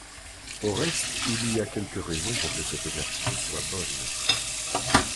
Au reste il y a quelque raison pour que cette version soit bonne.